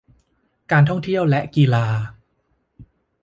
การท่องเที่ยวและกีฬา